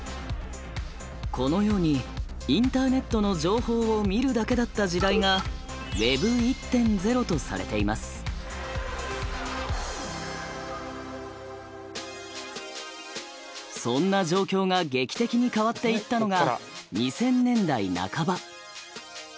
このようにインターネットの情報を見るだけだった時代がそんな状況が劇的に変わっていったのが２０００年代半ば。